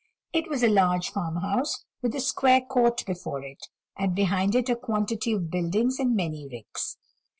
It was a large farmhouse, with a square court before it, and behind it a quantity of buildings and many ricks.